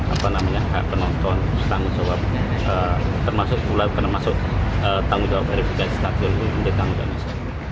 apa namanya penonton tanggung jawab termasuk pula kena masuk tanggung jawab verifikasi stabil untuk penduduk tanggung jawab